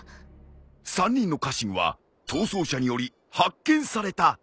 ３人の家臣は逃走者により発見された。